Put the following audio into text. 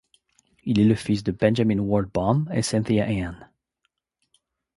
Il est le fils de Benjamin Ward Baum et Cynthia Ann.